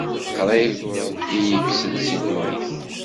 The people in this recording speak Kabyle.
Qrib i yi-kksen si ddunit.